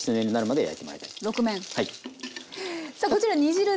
はい。